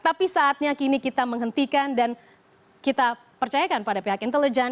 tapi saatnya kini kita menghentikan dan kita percayakan pada pihak intelijen